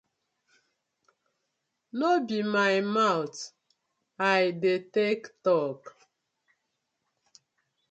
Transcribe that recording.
No be my mouth I dey tak tok?